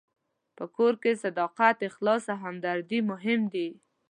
په کور کې صداقت، اخلاص او همدردي مهم دي.